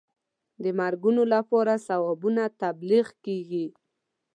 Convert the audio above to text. د مرګونو لپاره ثوابونه تبلیغ کېږي.